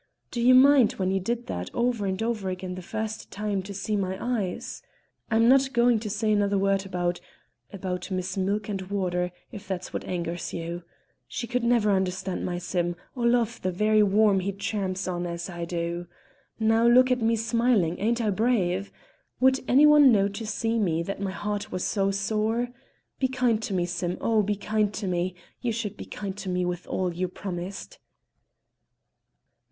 Do you mind when you did that over and over again the first time, to see my eyes? I'm not going to say another word about about Miss Milk and Water, if that's what angers you. She could never understand my Sim, or love the very worm he tramps on as I do. Now look at me smiling; ain't I brave? Would any one know to see me that my heart was sore? Be kind to me, Sim, oh! be kind to me; you should be kind to me, with all you promised!"